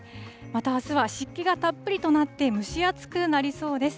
また、あすは湿気がたっぷりとなって、蒸し暑くなりそうです。